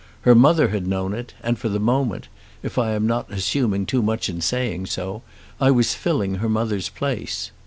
Her mother had known it, and for the moment, if I am not assuming too much in saying so, I was filling her mother's place.